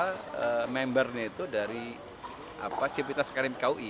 kita membernya itu dari siapitas karim kui